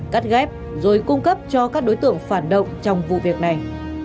cắt ghép rồi cung cấp cho các đối tượng phản động trong vụ việc này